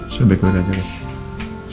saya baik baik aja ya